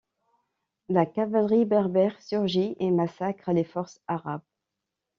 La cavalerie berbère surgit et massacre les forces arabes.